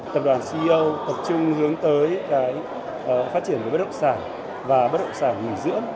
tập đoàn ceo tập trung hướng tới phát triển của bất động sản và bất động sản nghỉ dưỡng